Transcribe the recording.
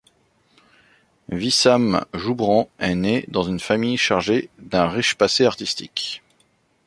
Wissam Joubran est né dans une famille chargée d’un riche passé artistique.